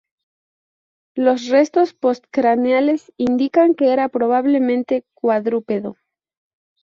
Los restos postcraneales indican que era probablemente cuadrúpedo.